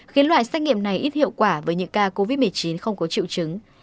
khiến loại xét nghiệm này ít hiệu quả với những ca covid một mươi chín không có triệu chứng